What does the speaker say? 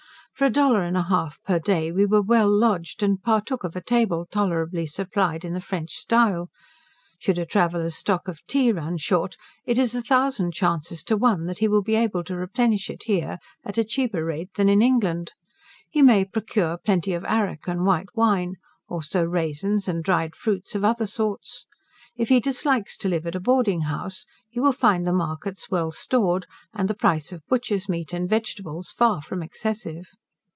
For a dollar and a half per day we were well lodged, and partook of a table tolerably supplied in the French style. Should a traveller's stock of tea run short, it is a thousand chances to one that he will be able to replenish it here at a cheaper rate than in England. He may procure plenty of arrack and white wine; also raisins, and dried fruits of other sorts. If he dislikes to live at a boarding house, he will find the markets well stored, and the price of butcher's meat and vegetables far from excessive.